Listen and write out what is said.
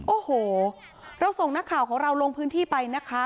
โอ้โหเราส่งนักข่าวของเราลงพื้นที่ไปนะคะ